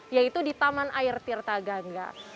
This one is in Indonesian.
yaitu di taman air tirta gangga